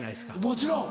もちろん。